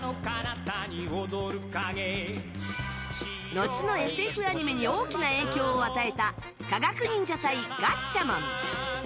後のＳＦアニメに大きな影響を与えた「科学忍者隊ガッチャマン」。